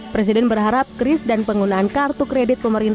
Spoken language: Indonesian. presiden berharap kris dan penggunaan kartu kredit pun bisa berhasil